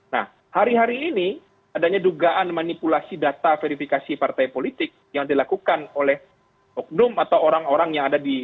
nah hari hari ini adanya dugaan manipulasi data verifikasi partai politik yang dilakukan oleh oknum atau orang orang yang ada di